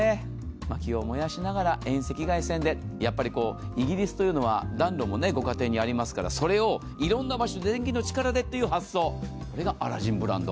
薪を燃やしながら遠赤外線で、やっぱりイギリスは暖炉もご家庭にありますからそれをいろんな場所で電気の力でという発想、これがアラジンブランド。